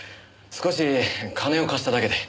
少し金を貸しただけで。